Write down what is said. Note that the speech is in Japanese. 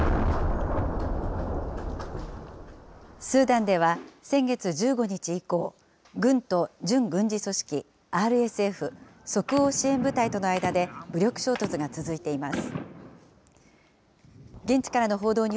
スーダンでは先月１５日以降、軍と準軍事組織ＲＳＦ・即応支援部隊との間で武力衝突が続いています。